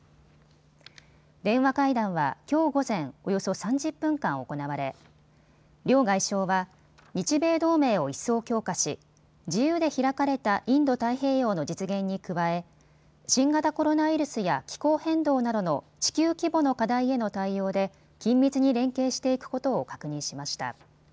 電話会談はきょう午前、およそ３０分間行われ両外相は日米同盟を一層強化し、自由で開かれたインド太平洋の実現に加え新型コロナウイルスや気候変動などの地球規模の課題への対応で緊密に連携していくことを確認しました。